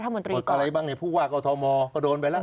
มันรวดเร็วดีนะ